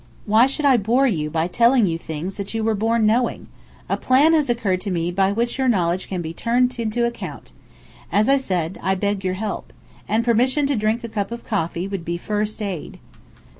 Why should I bore you by telling you things that you were born knowing? A plan has occurred to me by which your knowledge can be turned into account. As I said, I beg your help. And permission to drink a cup of coffee would be first aid."